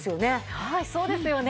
はいそうですよね。